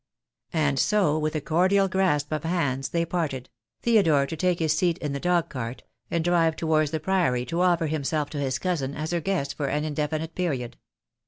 And so with a cordial grasp of hands they parted, Theodore to take his seat in the dog cart, and drive to wards the Priory to offer himself to his cousin as her guest for an indefinite period.